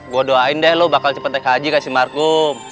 gue doain deh lo bakal cepet naik haji ke si markup